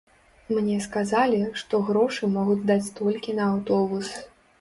Мне сказалі, што грошы могуць даць толькі на аўтобус.